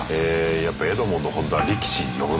やっぱエドモンド本田は力士呼ぶのかな。